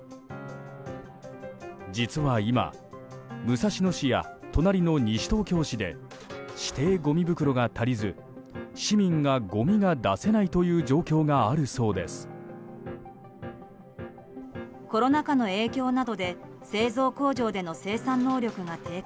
実は今武蔵野市や隣の西東京市で指定ごみ袋が足りず市民がごみが出せないという状況があるそうです。ということは当然、あの現象も。